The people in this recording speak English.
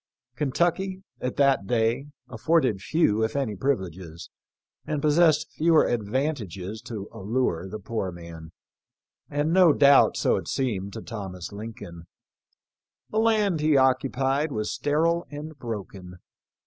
Kentucky, at that day, afforded few if any privileges, and possessed fewer advan tages to allure the poor man; and no doubt so it seemed to Thomas Lincoln. The land he occupied was sterile and broken.